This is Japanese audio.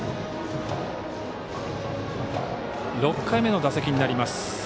６回目の打席になります。